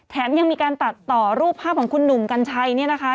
ยังมีการตัดต่อรูปภาพของคุณหนุ่มกัญชัยเนี่ยนะคะ